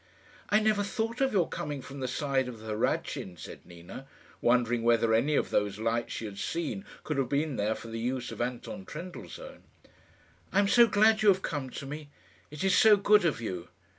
"I never thought of your coming from the side of the Hradschin," said Nina, wondering whether any of those lights she had seen could have been there for the use of Anton Trendellsohn. "I am so glad you have come to me. It is so good of you."